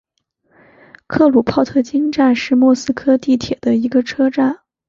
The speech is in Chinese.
克鲁泡特金站是莫斯科地铁的一个车站。